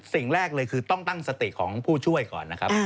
สิ่งแรกเลยคือต้องตั้งสติของผู้ช่วยก่อนนะครับ